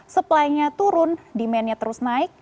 supply nya turun demand nya terus naik